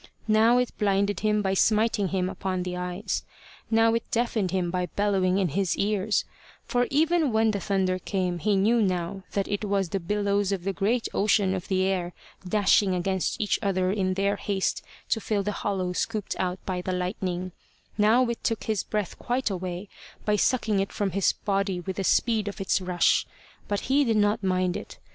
Now it blinded him by smiting him upon the eyes; now it deafened him by bellowing in his ears; for even when the thunder came he knew now that it was the billows of the great ocean of the air dashing against each other in their haste to fill the hollow scooped out by the lightning; now it took his breath quite away by sucking it from his body with the speed of its rush. But he did not mind it.